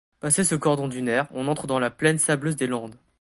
Passé ce cordon dunaire, on entre dans la plaine sableuse des Landes.